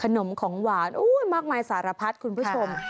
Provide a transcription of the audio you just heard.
ขนมของหวานมากมายสารพัดคุณผู้ชม